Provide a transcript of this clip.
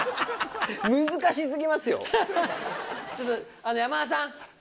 ちょっと山田さん